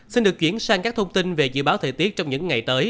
xin được chuyển sang các thông tin về dự báo thời tiết trong những ngày tới